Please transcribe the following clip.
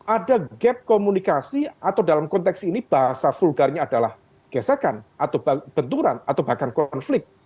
ada gap komunikasi atau dalam konteks ini bahasa vulgarnya adalah gesekan atau benturan atau bahkan konflik